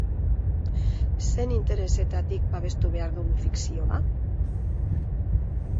Zein interesetatik babestu behar dugu fikzioa?